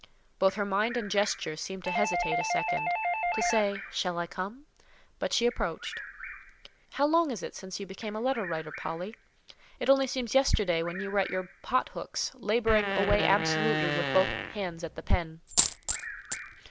Both her mind and gesture seemed to hesitate a second—to say "Shall I come?"—but she approached. "How long is it since you became a letter writer, Polly? It only seems yesterday when you were at your pot hooks, labouring away absolutely with both hands at the pen."